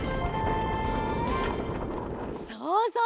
そうそう！